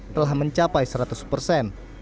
telah mencapai seratus persen